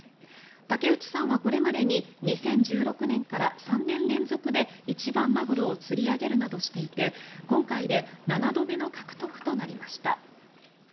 竹内さんはこれまでに２０１６年から３年連続で一番マグロを釣り上げるなどしていて今回で７度目の獲得となりました。